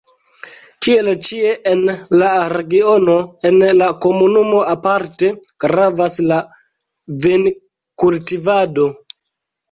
Kiel ĉie en la regiono, en la komunumo aparte gravas la vinkultivado.